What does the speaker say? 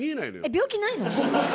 病気ないの？